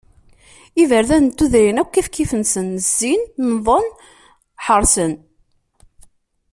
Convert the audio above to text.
Iberdan n tudrin akk kif kif-nsen, zzin, nnḍen, ḥerṣen.